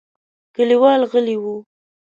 کليوال غلي وو.